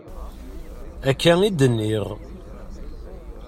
Akka i d-nniɣ.